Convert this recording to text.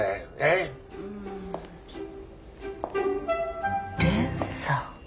うーん。連鎖？